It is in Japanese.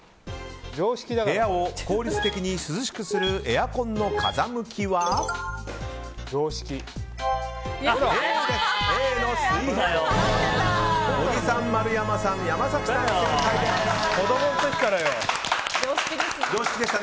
部屋を効率的に涼しくするエアコンの風向きはＡの水平です。